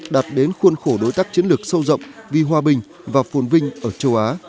đạt đến khuôn khổ đối tác chiến lược sâu rộng vì hòa bình và phồn vinh ở châu á